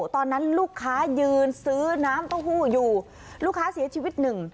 ตอนนั้นลูกค้ายืนซื้อน้ำเต้าหู้อยู่ลูกค้าเสียชีวิตหนึ่ง